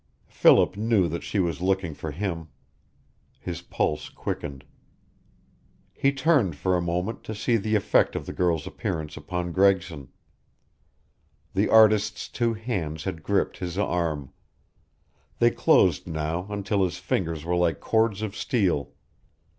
Philip knew that she was looking for him. His pulse quickened. He turned for a moment to see the effect of the girl's appearance upon Gregson. The artist's two hands had gripped his arm. They closed now until his fingers were like cords of steel.